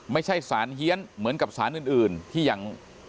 ไม่ใช่สารเฮียนเหมือนกับสารอื่นที่ยัง